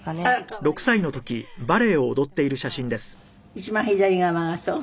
一番左側がそう？